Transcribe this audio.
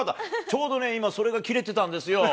ちょうど今、それが切れてたんですよ。